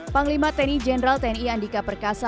panglima tni jenderal tni andika perkasa